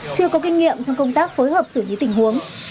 chưa có kinh nghiệm trong công tác phối hợp xử lý tình huống